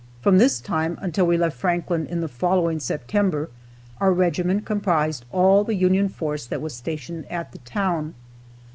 From this time until we left Franklin in the following September, our regiment comprised all the Union force that was stationed at the town.